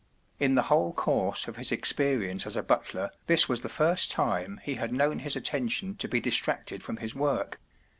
In the whole course of his ex¬ perience as a butler this was the first time he had known his attention to be distracted from his work.